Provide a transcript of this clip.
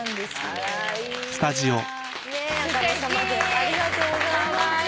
ありがとうございます。